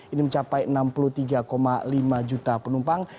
ini mencapai enam puluh tiga lima juta penumpang